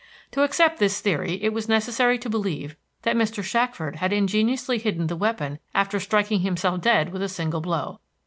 To accept this theory it was necessary to believe that Mr. Shackford had ingeniously hidden the weapon after striking himself dead with a single blow.